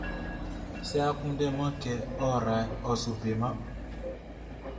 Sɛ a kunndɛman kɛ ɔ raʼn, ɔ su beman.